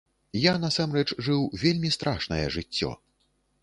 Я, насамрэч, жыў вельмі страшнае жыццё.